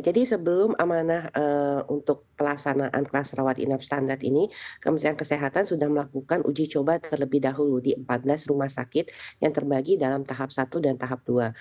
jadi sebelum amanah untuk pelaksanaan kelas rawat inap standar ini kementerian kesehatan sudah melakukan uji coba terlebih dahulu di empat belas rumah sakit yang terbagi dalam tahap satu dan tahap dua